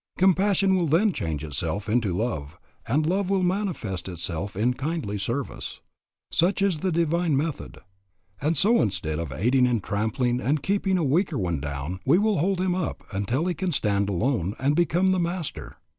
Compassion will then change itself into love, and love will manifest itself in kindly service. Such is the divine method. And so instead of aiding in trampling and keeping a weaker one down, we will hold him up until he can stand alone and become the master.